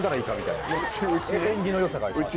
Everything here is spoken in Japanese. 縁起の良さがあるから。